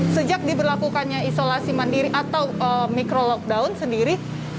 sejak diberlakukannya isolasi mandiri atau micro lockdown sendiri